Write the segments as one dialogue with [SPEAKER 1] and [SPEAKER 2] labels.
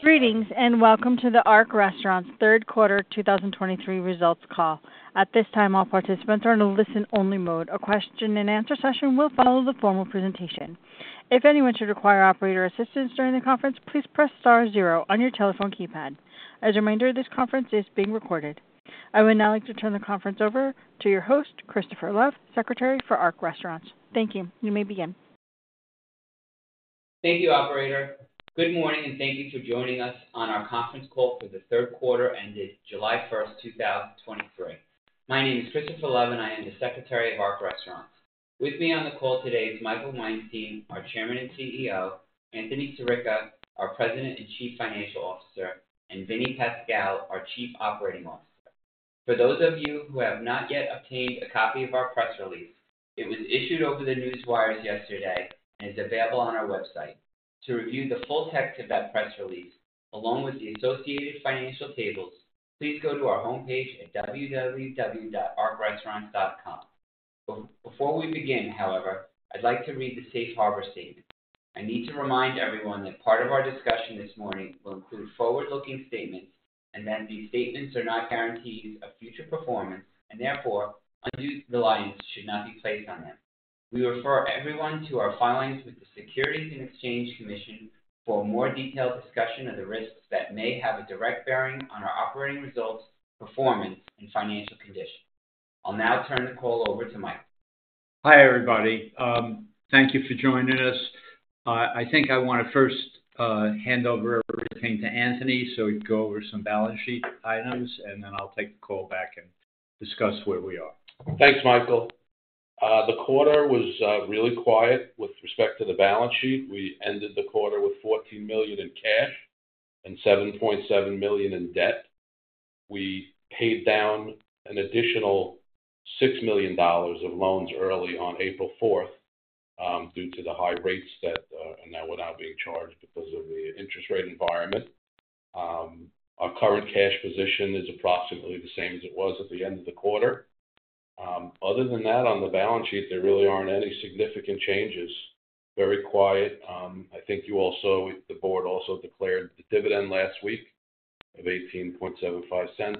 [SPEAKER 1] Greetings, and welcome to The Ark Restaurants Third Quarter 2023 Results Call. At this time, all participants are in a listen-only mode. A question-and-answer session will follow the formal presentation. If anyone should require operator assistance during the conference, please press star zero on your telephone keypad. As a reminder, this conference is being recorded. I would now like to turn the conference over to your host, Christopher Love, Secretary for Ark Restaurants. Thank you. You may begin.
[SPEAKER 2] Thank you, Operator. Good morning, and thank you for joining us on our conference call for the third quarter ended July 1, 2023. My name is Christopher Love, and I am the Secretary of Ark Restaurants. With me on the call today is Michael Weinstein, our Chairman and CEO, Anthony Sirica, our President and Chief Financial Officer, and Vinny Pascal, our Chief Operating Officer. For those of you who have not yet obtained a copy of our press release, it was issued over the newswires yesterday and is available on our website. To review the full text of that press release, along with the associated financial tables, please go to our homepage at www.arkrestaurants.com. Before we begin, however, I'd like to read the Safe Harbor statement. I need to remind everyone that part of our discussion this morning will include forward-looking statements, and that these statements are not guarantees of future performance, and therefore, undue reliance should not be placed on them. We refer everyone to our filings with the Securities and Exchange Commission for a more detailed discussion of the risks that may have a direct bearing on our operating results, performance, and financial condition. I'll now turn the call over to Michael.
[SPEAKER 3] Hi, everybody. Thank you for joining us. I think I want to first hand over everything to Anthony, so he'd go over some balance sheet items, and then I'll take the call back and discuss where we are.
[SPEAKER 4] Thanks, Michael. The quarter was really quiet with respect to the balance sheet. We ended the quarter with $14 million in cash and $7.7 million in debt. We paid down an additional $6 million of loans early on April fourth, due to the high rates that and that we're now being charged because of the interest rate environment. Our current cash position is approximately the same as it was at the end of the quarter. Other than that, on the balance sheet, there really aren't any significant changes. Very quiet. I think the board also declared the dividend last week of $0.1875,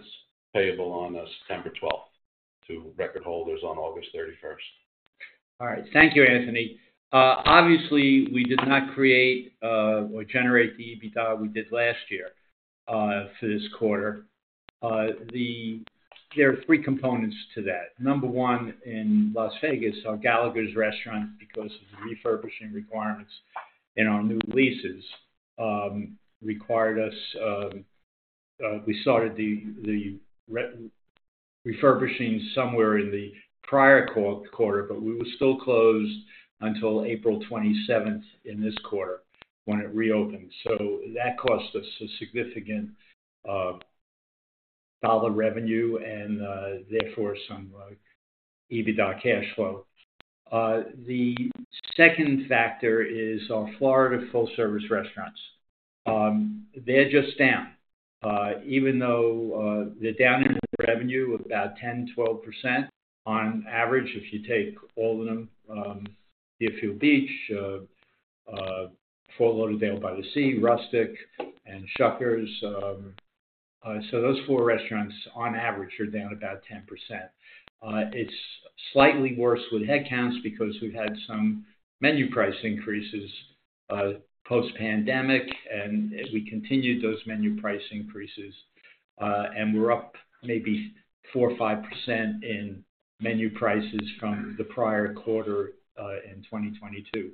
[SPEAKER 4] payable on September 12th, to record holders on August 31st.
[SPEAKER 3] All right. Thank you, Anthony. Obviously, we did not create or generate the EBITDA we did last year for this quarter. There are 3 components to that. Number one, in Las Vegas, our Gallagher's restaurant, because of the refurbishing requirements in our new leases, required us, we started the refurbishing somewhere in the prior quarter, but we were still closed until April 27th in this quarter when it reopened. That cost us a significant dollar revenue and, therefore, some EBITDA cash flow. The second factor is our Florida full-service restaurants. They're just down, even though they're down in revenue about 10%-12% on average, if you take all of them, Deerfield Beach, Fort Lauderdale by the Sea, Rustic, and Shuckers. Those four restaurants, on average, are down about 10%. It's slightly worse with headcounts because we've had some menu price increases post-pandemic, and as we continued those menu price increases, and we're up maybe 4% or 5% in menu prices from the prior quarter in 2022.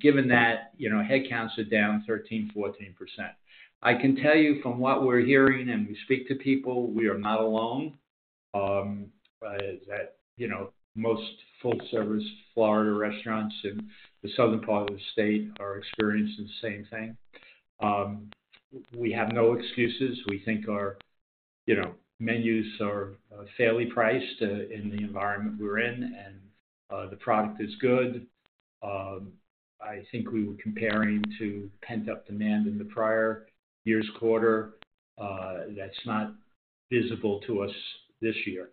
[SPEAKER 3] Given that, you know, headcounts are down 13%, 14%. I can tell you from what we're hearing, and we speak to people, we are not alone, that, you know, most full-service Florida restaurants in the southern part of the state are experiencing the same thing. We have no excuses. We think our, you know, menus are fairly priced in the environment we're in, and the product is good. I think we were comparing to pent-up demand in the prior year's quarter. That's not visible to us this year.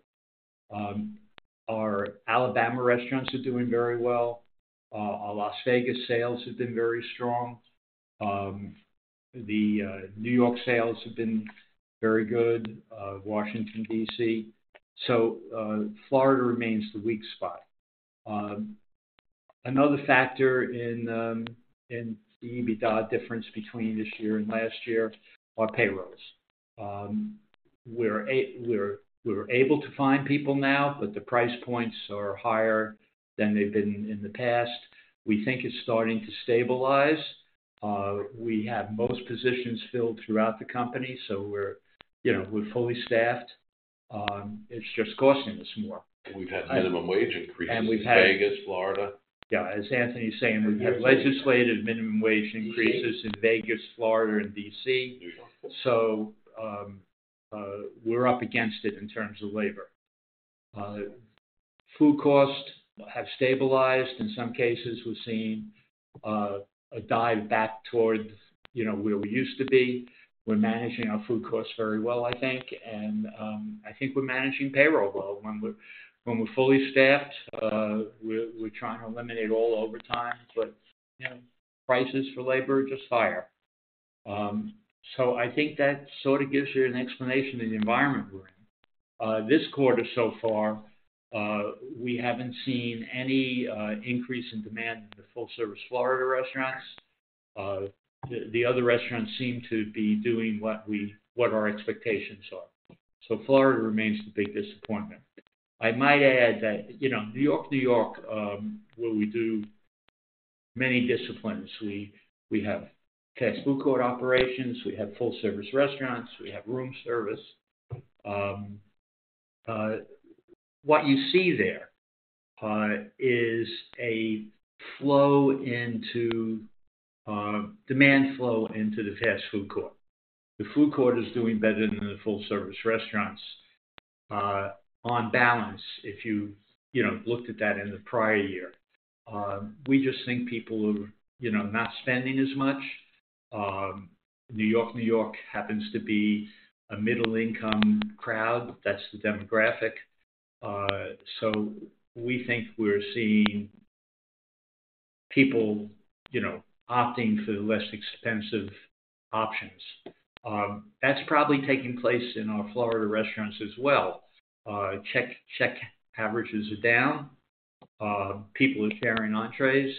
[SPEAKER 3] Our Alabama restaurants are doing very well. Our Las Vegas sales have been very strong. The New York sales have been very good, Washington, D.C. Florida remains the weak spot. Another factor in the EBITDA difference between this year and last year are payrolls. We're, we're able to find people now, but the price points are higher than they've been in the past. We think it's starting to stabilize. We have most positions filled throughout the company, so we're, you know, we're fully staffed. It's just costing us more.
[SPEAKER 4] We've had minimum wage increases in Vegas, Florida.
[SPEAKER 3] Yeah, as Anthony is saying, we've had legislative minimum wage increases in Vegas, Florida, and D.C.
[SPEAKER 4] New York.
[SPEAKER 3] We're up against it in terms of labor. Food costs have stabilized. In some cases, we've seen, a dive back towards, you know, where we used to be. We're managing our food costs very well, I think, and, I think we're managing payroll well. When we're, when we're fully staffed, we're, we're trying to eliminate all overtime, but, you know, prices for labor are just higher. I think that sort of gives you an explanation of the environment we're in. This quarter so far, we haven't seen any increase in demand in the full-service Florida restaurants. The, the other restaurants seem to be doing what our expectations are. Florida remains the big disappointment. I might add that, you know, New York-New York, where we do many disciplines, we, we have fast-food court operations, we have full-service restaurants, we have room service. What you see there is a flow into demand flow into the fast-food court. The food court is doing better than the full-service restaurants, on balance, if you, you know, looked at that in the prior year. We just think people are, you know, not spending as much. New York-New York happens to be a middle-income crowd. That's the demographic. We think we're seeing people, you know, opting for the less expensive options. That's probably taking place in our Florida restaurants as well. Check, check averages are down. People are sharing entrees.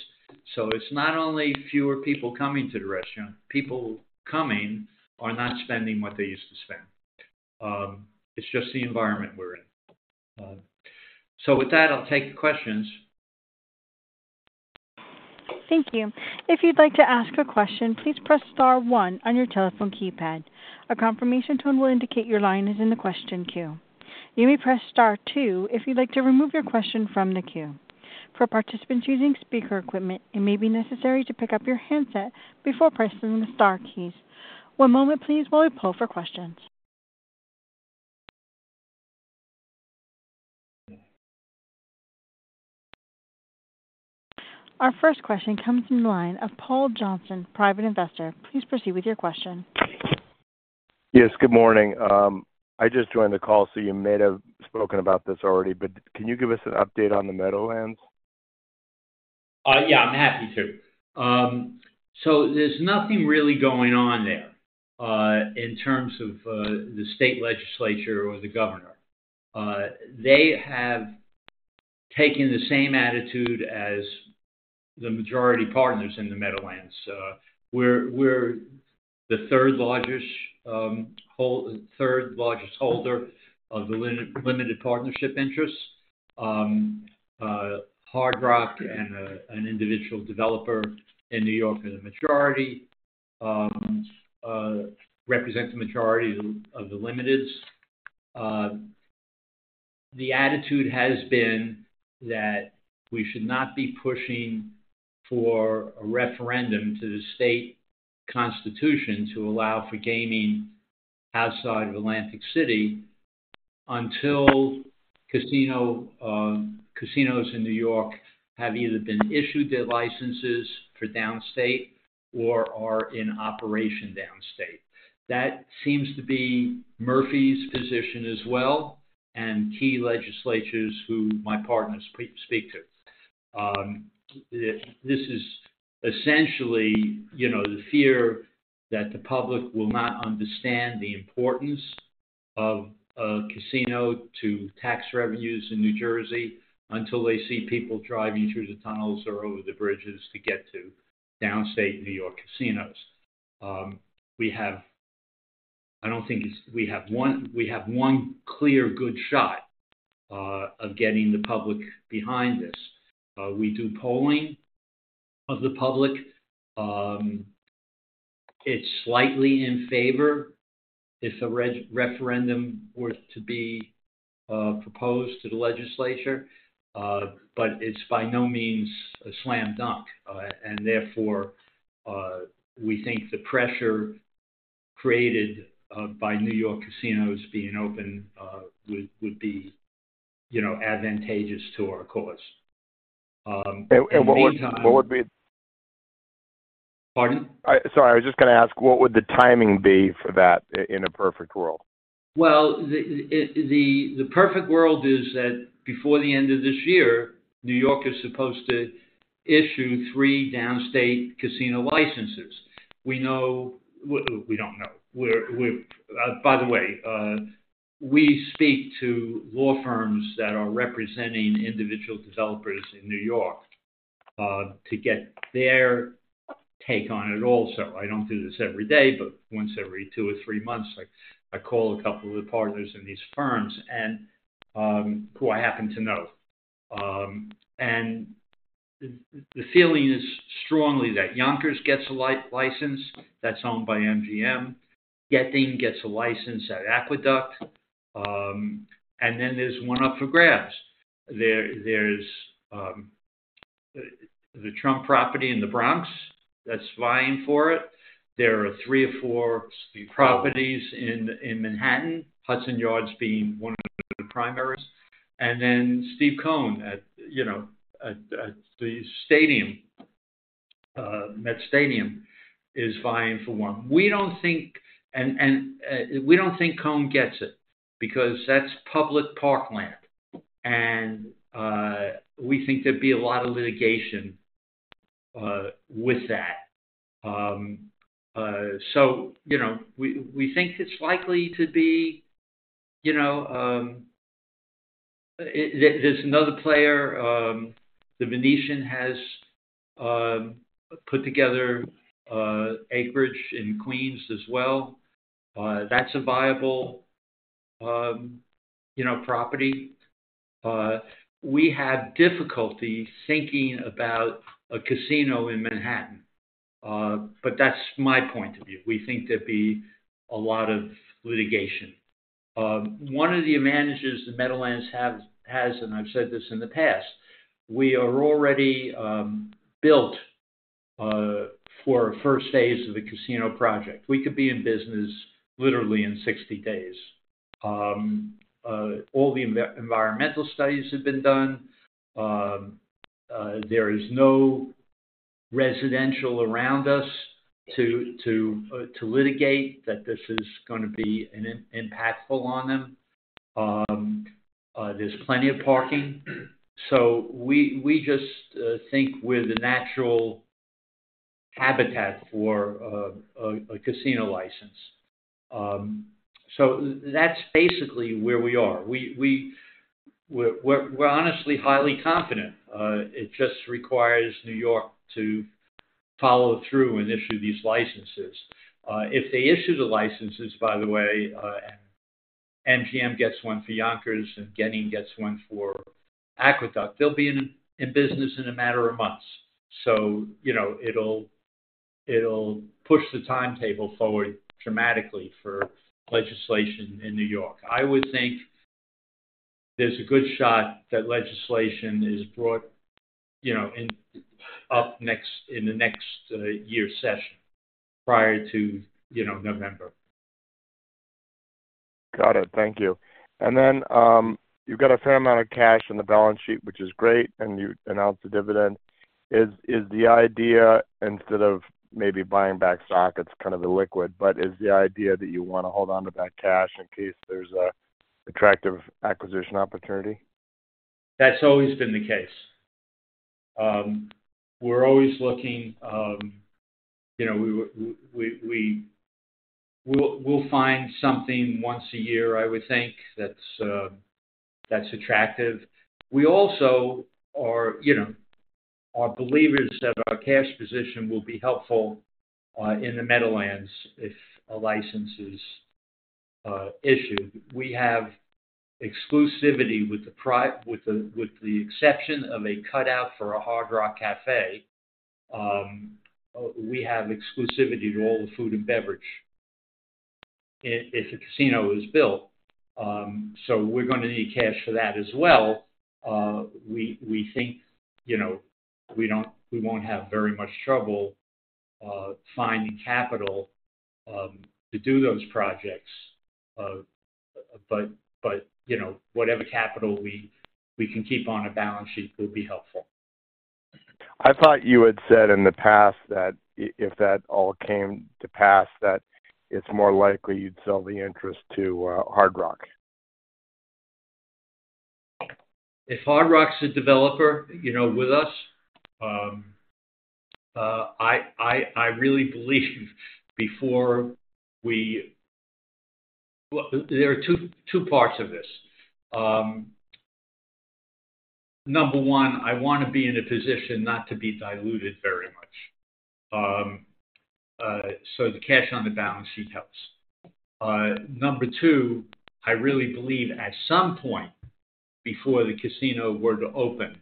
[SPEAKER 3] It's not only fewer people coming to the restaurant, people coming are not spending what they used to spend. It's just the environment we're in. With that, I'll take questions.
[SPEAKER 1] Thank you. If you'd like to ask a question, please press star one on your telephone keypad. A confirmation tone will indicate your line is in the question queue. You may press star two if you'd like to remove your question from the queue. For participants using speaker equipment, it may be necessary to pick up your handset before pressing the star keys. One moment, please, while we pull for questions. Our first question comes from the line of Paul Johnson, private investor. Please proceed with your question. Yes, good morning. I just joined the call, so you may have spoken about this already, but can you give us an update on the Meadowlands?
[SPEAKER 3] Yeah, I'm happy to. There's nothing really going on there, in terms of, the state legislature or the governor. They have taken the same attitude as the majority partners in the Meadowlands. We're the third largest holder of the limited partnership interests. Hard Rock and, an individual developer in New York are the majority, represent the majority of the limiteds. The attitude has been that we should not be pushing for a referendum to the state constitution to allow for gaming outside of Atlantic City until casino, casinos in New York have either been issued their licenses for Downstate or are in operation Downstate. That seems to be Murphy's position as well, and key legislators who my partners speak, speak to. This is essentially, you know, the fear that the public will not understand the importance of a casino to tax revenues in New Jersey until they see people driving through the tunnels or over the bridges to get to Downstate New York casinos. We have one, we have one clear, good shot of getting the public behind this. We do polling of the public. It's slightly in favor if a referendum were to be proposed to the legislature, but it's by no means a slam dunk. Therefore, we think the pressure created by New York casinos being open would, would be, you know, advantageous to our cause. In the meantime- what would be- Pardon? Sorry, I was just gonna ask, what would the timing be for that in a perfect world? Well, the, the perfect world is that before the end of this year, New York is supposed to issue three Downstate casino licenses. By the way, we speak to law firms that are representing individual developers in New York, to get their take on it also. I don't do this every day, but once every two or three months, like, I call a couple of the partners in these firms and, who I happen to know. The feeling is strongly that Yonkers gets a license that's owned by MGM, Genting gets a license at Aqueduct, and then there's one up for grabs. There's the Trump property in the Bronx that's vying for it. There are three or four properties in Manhattan, Hudson Yards being one of the primaries. Steve Cohen at, you know, at, at the stadium, Mets Stadium is vying for one. We don't think we don't think Cohen gets it because that's public parkland. We think there'd be a lot of litigation with that. You know, we, we think it's likely to be, you know, there's another player, the Venetian has put together acreage in Queens as well. That's a viable, you know, property. We have difficulty thinking about a casino in Manhattan, that's my point of view. We think there'd be a lot of litigation. One of the advantages the Meadowlands has, and I've said this in the past, we are already built for a first phase of the casino project. We could be in business literally in 60 days. All the environmental studies have been done. There is no residential around us to, to litigate that this is gonna be an impactful on them. There's plenty of parking, so we just think we're the natural habitat for a casino license. That's basically where we are. We're honestly highly confident. It just requires New York to follow through and issue these licenses. If they issue the licenses, by the way, and MGM gets one for Yonkers, and Genting gets one for Aqueduct, they'll be in business in a matter of months. You know, it'll push the timetable forward dramatically for legislation in New York. I would think there's a good shot that legislation is brought, you know, in, up next, in the next year's session, prior to, you know, November. Got it. Thank you. You've got a fair amount of cash on the balance sheet, which is great, and you announced a dividend. Is the idea, instead of maybe buying back stock, it's kind of illiquid, but is the idea that you wanna hold on to that cash in case there's an attractive acquisition opportunity? That's always been the case. We're always looking, you know, we'll find something once a year, I would think, that's attractive. We also are, you know, are believers that our cash position will be helpful in the Meadowlands if a license is issued. We have exclusivity with the exception of a cutout for a Hard Rock Cafe, we have exclusivity to all the food and beverage if the casino is built, so we're gonna need cash for that as well. We think, you know, we don't, we won't have very much trouble finding capital to do those projects. But, you know, whatever capital we, we can keep on the balance sheet will be helpful. I thought you had said in the past that if that all came to pass, that it's more likely you'd sell the interest to Hard Rock. If Hard Rock's the developer, you know, with us, I really believe before we... Well, there are two parts of this. Number one, I wanna be in a position not to be diluted very much. The cash on the balance sheet helps. Number two, I really believe at some point before the casino were to open,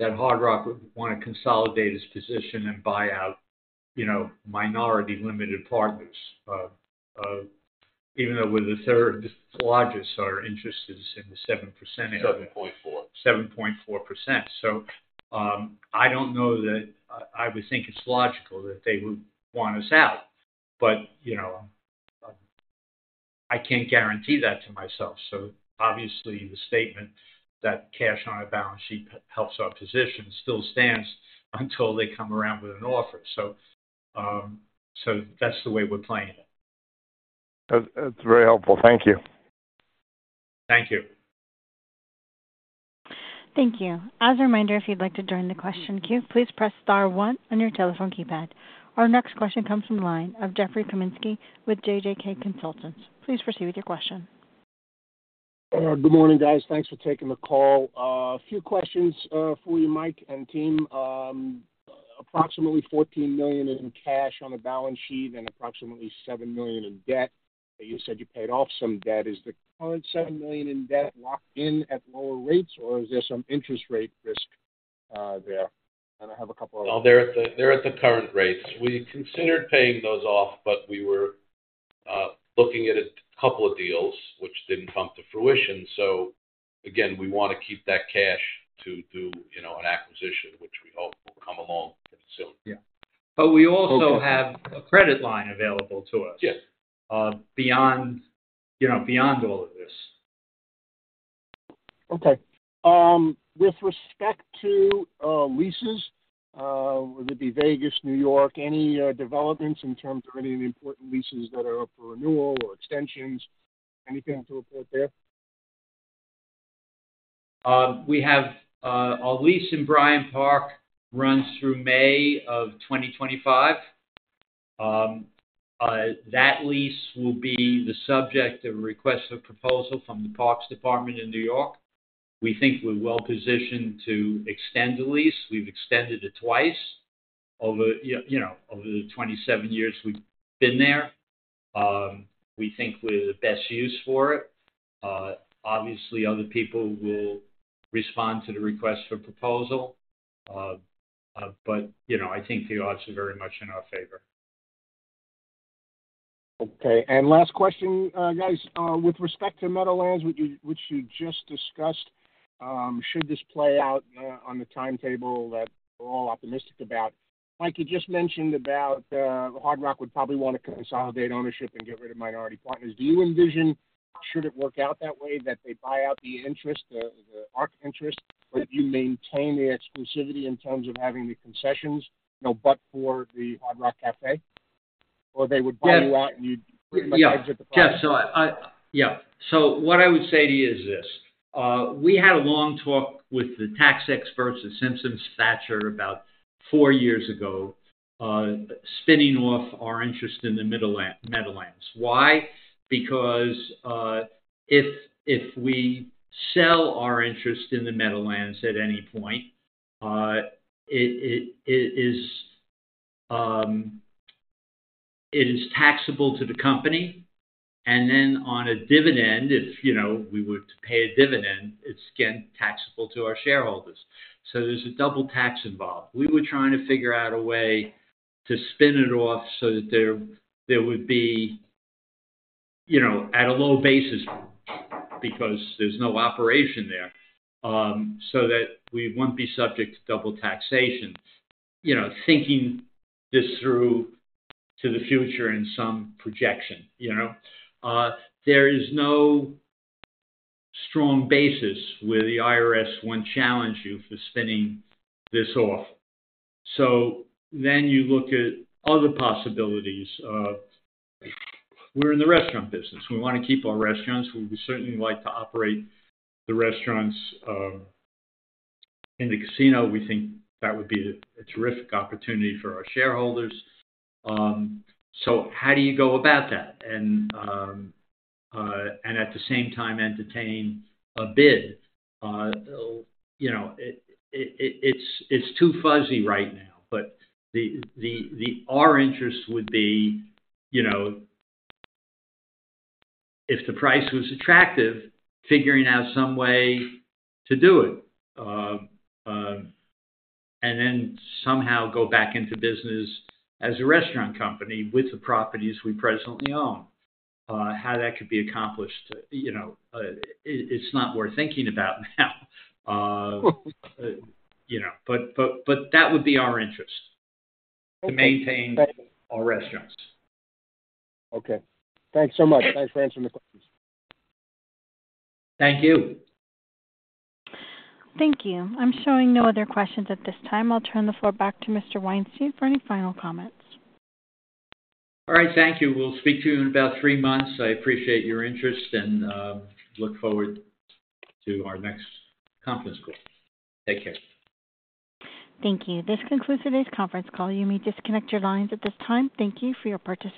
[SPEAKER 3] that Hard Rock would wanna consolidate its position and buy out, you know, minority limited partners. Even though we're the third largest, our interest is in the 7%...
[SPEAKER 4] 7.4.
[SPEAKER 3] 7.4%. I don't know that I, I would think it's logical that they would want us out, but, you know, I can't guarantee that to myself. Obviously, the statement that cash on our balance sheet helps our position still stands until they come around with an offer. So that's the way we're playing it. That's, that's very helpful. Thank you. Thank you.
[SPEAKER 1] Thank you. As a reminder, if you'd like to join the question queue, please press star 1 on your telephone keypad. Our next question comes from the line of Jeffrey Kaminsky with JJK Consultants. Please proceed with your question.
[SPEAKER 5] Good morning, guys. Thanks for taking the call. A few questions for you, Mike and team. Approximately $14 million in cash on the balance sheet and approximately $7 million in debt. You said you paid off some debt. Is the current $7 million in debt locked in at lower rates, or is there some interest rate risk there? And I have a couple of other-
[SPEAKER 4] Well, they're at the current rates. We considered paying those off. We were looking at a couple of deals which didn't come to fruition. Again, we wanna keep that cash to do, you know, an acquisition, which we hope will come along soon.
[SPEAKER 3] Yeah. We also have a credit line available to us-
[SPEAKER 4] Yes
[SPEAKER 3] beyond, you know, beyond all of this.
[SPEAKER 5] Okay. With respect to leases, would it be Vegas, New York? Any developments in terms of any of the important leases that are up for renewal or extensions? Anything to report there?
[SPEAKER 3] We have a lease in Bryant Park, runs through May of 2025. That lease will be the subject of request for proposal from the Parks Department in New York. We think we're well positioned to extend the lease. We've extended it twice over, you know, over the 27 years we've been there. We think we're the best use for it. Obviously, other people will respond to the request for proposal. You know, I think the odds are very much in our favor.
[SPEAKER 5] Okay, last question, guys, with respect to Meadowlands, which you, which you just discussed, should this play out on the timetable that we're all optimistic about? Mike, you just mentioned about Hard Rock would probably want to consolidate ownership and get rid of minority partners. Do you envision, should it work out that way, that they buy out the interest, the, the Ark interest, or do you maintain the exclusivity in terms of having the concessions, you know, but for the Hard Rock Cafe, or they would buy you out, and you'd pretty much exit the property?
[SPEAKER 3] Yeah. I- I... Yeah. What I would say to you is this: we had a long talk with the tax experts at Simpson Thacher about four years ago, spinning off our interest in the Middleland- Meadowlands. Why? Because, if, if we sell our interest in the Meadowlands at any point, it, it, it is, it is taxable to the company, and then on a dividend, if, you know, we were to pay a dividend, it's again taxable to our shareholders. There's a double tax involved. We were trying to figure out a way to spin it off so that there, there would be, you know, at a low basis because there's no operation there, so that we wouldn't be subject to double taxation. You know, thinking this through to the future in some projection, you know? There is no strong basis where the IRS would challenge you for spinning this off. You look at other possibilities. We're in the restaurant business. We want to keep our restaurants. We would certainly like to operate the restaurants in the casino. We think that would be a terrific opportunity for our shareholders. How do you go about that and at the same time, entertain a bid? You know, it's too fuzzy right now, but our interest would be, you know, if the price was attractive, figuring out some way to do it, and then somehow go back into business as a restaurant company with the properties we presently own. How that could be accomplished, you know, it's not worth thinking about now. You know, but that would be our interest-.
[SPEAKER 5] Okay.
[SPEAKER 3] to maintain our restaurants.
[SPEAKER 5] Okay, thanks so much. Thanks for answering the questions.
[SPEAKER 3] Thank you.
[SPEAKER 1] Thank you. I'm showing no other questions at this time. I'll turn the floor back to Mr. Weinstein for any final comments.
[SPEAKER 3] All right, thank you. We'll speak to you in about three months. I appreciate your interest and look forward to our next conference call. Take care.
[SPEAKER 1] Thank you. This concludes today's conference call. You may disconnect your lines at this time. Thank you for your participation.